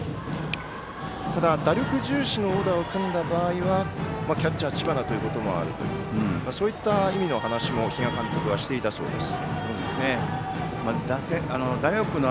ただ、打力重視のオーダーを組んだ場合はキャッチャー、知花ということもあるというそういった意味の話も比嘉監督はしていたそうです。